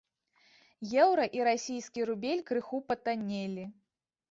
Еўра і расійскі рубель крыху патаннелі.